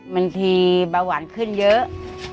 บางทีเบาหวานขึ้นเยอะ